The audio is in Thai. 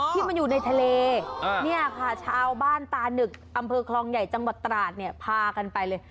ที่มันอยู่ในทะเลเนี่ยค่ะชาวบ้านตานึกอำเภอคลองใหญ่จังหวัดตราดเนี่ยพากันไปเลย